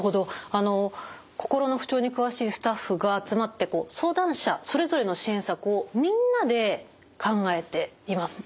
あの心の不調に詳しいスタッフが集まって相談者それぞれの支援策をみんなで考えていますね。